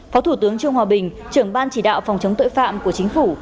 phó thủ tướng trương hòa bình trưởng ban chỉ đạo phòng chống tội phạm của chính phủ